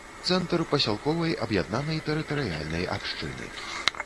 Цэнтр пасялковай аб'яднанай тэрытарыяльнай абшчыны.